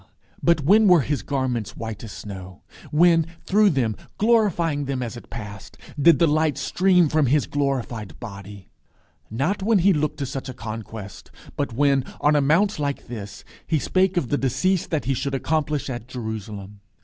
but when were his garments white as snow? When, through them, glorifying them as it passed, did the light stream from his glorified body? Not when he looked to such a conquest; but when, on a mount like this, he "spake of the decease that he should accomplish at Jerusalem"!